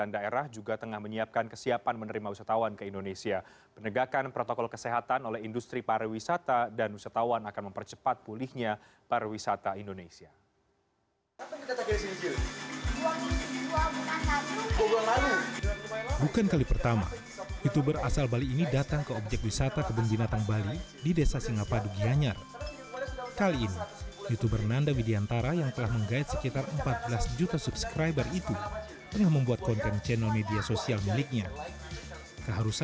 dan wisatawan akan mempercepat pulihnya para wisata indonesia